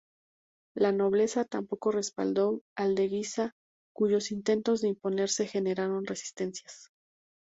La nobleza tampoco respaldó al de Guisa, cuyos intentos de imponerse generaron resistencias.